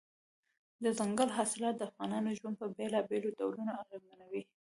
دځنګل حاصلات د افغانانو ژوند په بېلابېلو ډولونو اغېزمنوي.